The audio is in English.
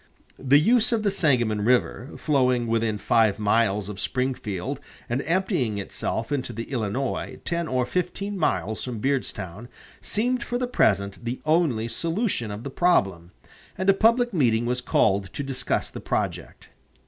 The use of the Sangamon River, flowing within five miles of Springfield and emptying itself into the Illinois ten or fifteen miles from Beardstown, seemed for the present the only solution of the problem, and a public meeting was called to discuss the project.